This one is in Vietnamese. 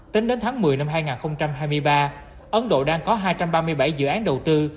tính đến tháng một mươi năm hai nghìn hai mươi ba ấn độ đang có hai trăm ba mươi bảy dự án đầu tư